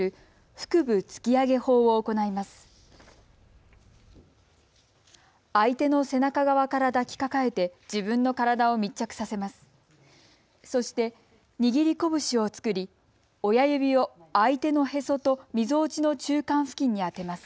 そして握り拳を作り親指を相手のへそとみぞおちの中間付近に当てます。